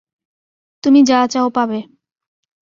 তুমি যা চাও পাবে।